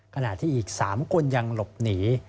ขณะที่อีก๓คนยังหลบหนี